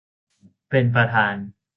เป็นประธาน